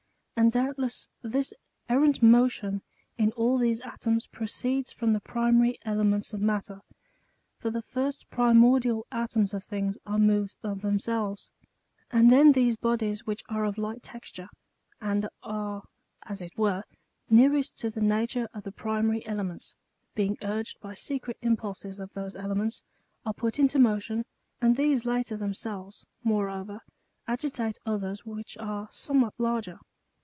And doubtless this er rant motion ^ in all these atoms proceeds from the primary elements of matter; for the first primordial atoms of things are moved of themselves ; and then those bodies which are of light texture, and are, as it were, nearest to the na ture of the primary elements, being urged by secret im pulses of those elements^ are put into motion, and these lat ter themselves, moreover, agitate others which are somewhat larger.